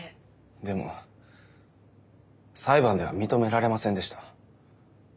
でも裁判では認められませんでした。